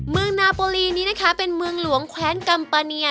เมืองนาโปรลีนี้นะคะเป็นเมืองหลวงแคว้นกัมปาเนีย